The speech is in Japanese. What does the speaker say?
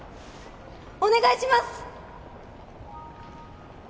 お願いします！